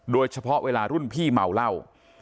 โดยเฉพาะเวลารุ่นพี่เมาเหล้า